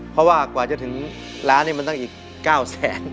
เพราะว่ากว่าจะถึงร้านนี้มันต้องอีก๙แสน